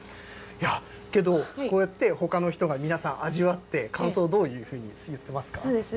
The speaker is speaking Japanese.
けど、こうやってほかの人が、皆さん、味わって、感想、どういうふうに言ってますか。